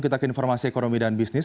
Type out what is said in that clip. kita ke informasi ekonomi dan bisnis